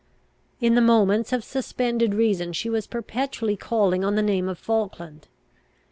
In the moments of suspended reason she was perpetually calling on the name of Falkland.